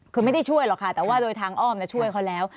คือไม่ได้ช่วยหรอกค่ะแต่ว่าโดยทางอ้อมช่วยเขาแล้ว